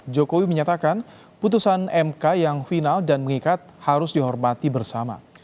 jokowi menyatakan putusan mk yang final dan mengikat harus dihormati bersama